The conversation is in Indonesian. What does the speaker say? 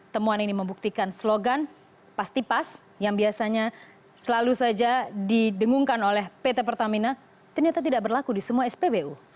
temuan ini membuktikan slogan pasti pas yang biasanya selalu saja didengungkan oleh pt pertamina ternyata tidak berlaku di semua spbu